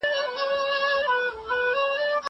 زه اجازه لرم چي کتابونه وليکم!!